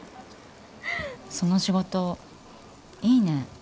その仕事いいね。